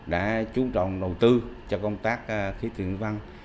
đã chú trọng đầu tư cho công tác khí tượng văn